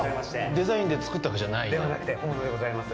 デザインで作ったわけじゃない？ではなくて、本物でございます。